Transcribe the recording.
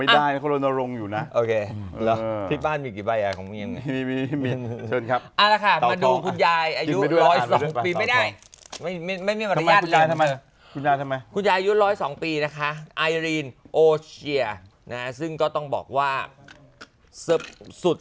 ดำไล่ออกจากบ้าน